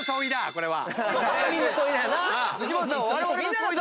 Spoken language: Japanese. これは。